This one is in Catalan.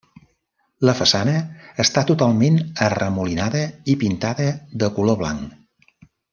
La façana està totalment arremolinada i pintada de color blanc.